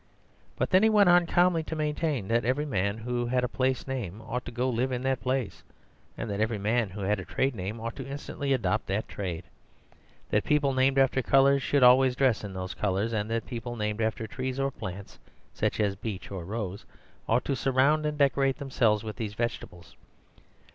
But then he went on calmly to maintain that every man who had a place name ought to go to live in that place, and that every man who had a trade name ought instantly to adopt that trade; that people named after colours should always dress in those colours, and that people named after trees or plants (such as Beech or Rose) ought to surround and decorate themselves with these vegetables.